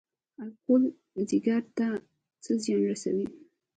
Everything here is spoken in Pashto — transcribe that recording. الکول ځیګر ته څه زیان رسوي؟